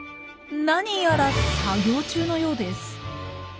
何やら作業中のようです。